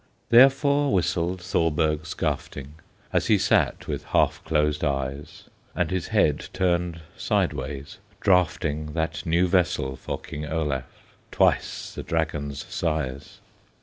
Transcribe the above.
Therefore whistled Thorberg Skafting, As he sat with half closed eyes, And his head turned sideways, drafting That new vessel for King Olaf Twice the Dragon's size.